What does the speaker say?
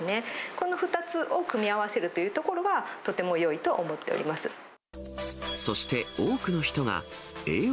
この２つを組み合わせるというところは、とてもよいと思っておりそして多くの人が栄養